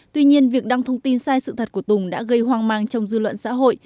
tuy nhiên việc đăng thông tin sai sự thật của tùng đã gây hoang mang trong dư luận xã hội